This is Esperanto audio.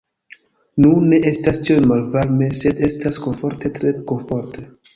Nu, ne estas tiom malvarme sed estas komforte tre komforte